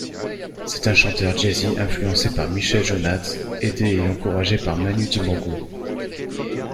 C’est un chanteur jazzy influencé par Michel Jonasz, aidé et encouragé par Manu Dibango.